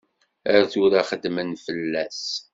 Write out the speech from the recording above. Ar tura xeddmen fell-as.